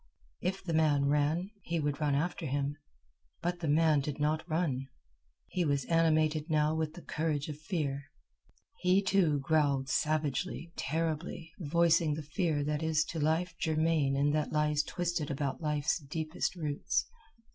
If the man ran, he would run after him; but the man did not run. He was animated now with the courage of fear. He, too, growled, savagely, terribly, voicing the fear that is to life germane and that lies twisted about life's deepest roots.